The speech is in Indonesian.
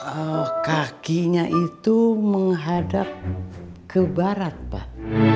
oh kakinya itu menghadap ke barat pak